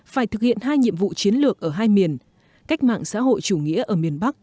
phải thực hiện hai nhiệm vụ chiến lược ở hai miền cách mạng xã hội chủ nghĩa ở miền bắc